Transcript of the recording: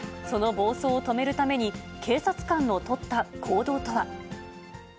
その暴走を止めるために、警察官の取った行動とは。